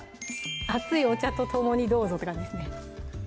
熱いお茶と共にどうぞって感じですね